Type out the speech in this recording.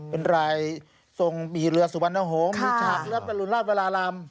เป็นรายทรงมีเรือสุวรรณหงษ์มีฉากรัฐบรุณราชวราราม